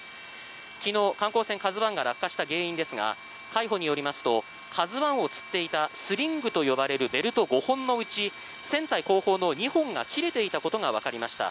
昨日、観光船「ＫＡＺＵ１」が落下した原因ですが海保によりますと「ＫＡＺＵ１」をつっていたスリングと呼ばれるベルト５本のうち船体後方の２本が切れていたことがわかりました。